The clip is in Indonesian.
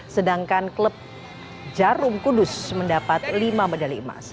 sedangkan klub jarum kudus mendapat lima medali emas